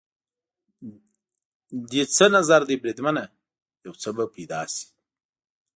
دې څه نظر دی بریدمنه؟ یو څه به پیدا شي.